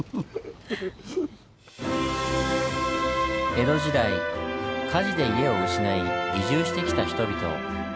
江戸時代火事で家を失い移住してきた人々。